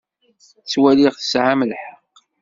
Ttwaliɣ tesɛam lḥeqq.